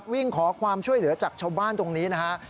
วิ่งขอความช่วยเหลือจากชาวบ้านตรงนี้นะฮะ